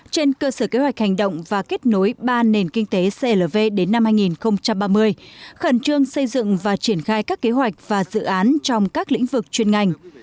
trên cơ sở kế hoạch hành động và kết nối ba nền kinh tế clv đến năm hai nghìn ba mươi khẩn trương xây dựng và triển khai các kế hoạch và dự án trong các lĩnh vực chuyên ngành